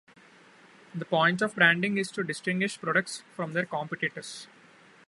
The point of branding is to distinguish products from their competitors.